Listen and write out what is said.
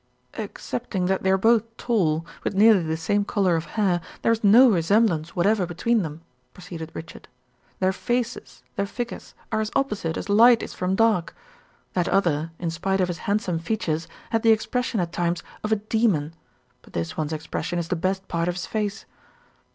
"Excepting that they are both tall, with nearly the same color of hair, there is no resemblance whatever between them," proceeded Richard. "Their faces, their figures, are as opposite as light is from dark. That other, in spite of his handsome features, had the expression at times of a demon, but this one's expression is the best part of his face.